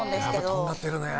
やっぱとんがってるね。